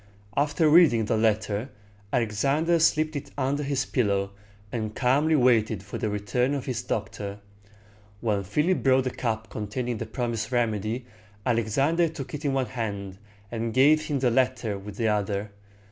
After reading the letter, Alexander slipped it under his pillow, and calmly waited for the return of his doctor. When Philip brought the cup containing the promised remedy, Alexander took it in one hand, and gave him the letter with the other.